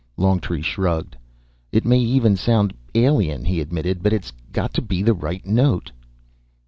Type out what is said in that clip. Longtree shrugged. "It may even sound alien," he admitted, "but it's got to be the right note."